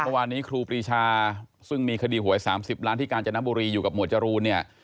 เมื่อวานนี้ครูปรีชาซึ่งมีคดีหวย๓๐ล้านที่กาญจนบุรีอยู่กับหมวดจรูนเนี่ย